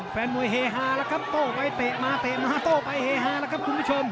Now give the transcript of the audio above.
แฟนมวยเฮฮาแล้วครับโต้ไปเตะมาเตะมาโต้ไปเฮฮาแล้วครับคุณผู้ชม